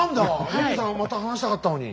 ヘルーさんまた話したかったのに。